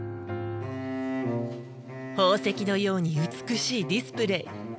宝石のように美しいディスプレー。